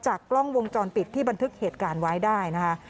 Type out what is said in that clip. กล้องวงจรปิดที่บันทึกเหตุการณ์ไว้ได้นะคะ